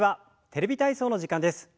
「テレビ体操」の時間です。